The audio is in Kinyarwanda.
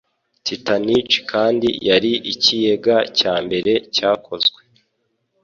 Titanic kandi yari ikiyega cya mbere cyakozwe